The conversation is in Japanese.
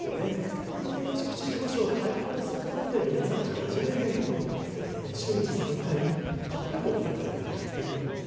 この建築士事務所を開放することで皆さんがなじめるようにと週に３回、カフェも開かれているということなんです。